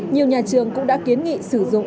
nhiều nhà trường cũng đã kiến nghị sử dụng